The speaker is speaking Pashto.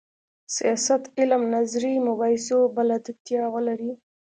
سیاست علم نظري مباحثو بلدتیا ولري.